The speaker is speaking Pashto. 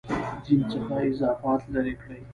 دین څخه اضافات لرې کړي.